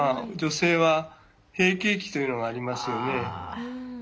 女性は閉経期というのがありますよね。